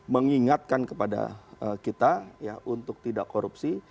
mengingatkan kepada kita untuk tidak korupsi